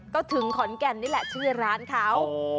ก็ถึงขอนแก่นนี่แหละชื่อร้านเขา